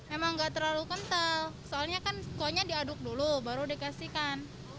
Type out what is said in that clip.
emang nggak terlalu kental soalnya kan kuahnya diaduk dulu baru dikasihkan